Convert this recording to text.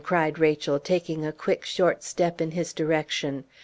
cried Rachel, taking a quick, short step in his direction.